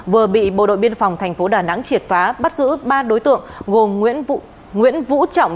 vừa bị bộ đội biên phòng tp đà nẵng triệt phá bắt giữ ba đối tượng gồm nguyễn vũ trọng